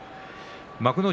幕内